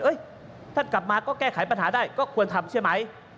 ท่านกลับมาก็แก้ไขปัญหาได้ก็ควรทำใช่ไหม